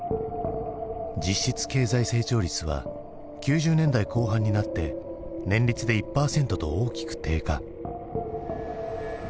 実質経済成長率は９０年代後半になって年率で１％と大きく低下。